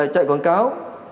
chạy quảng cáo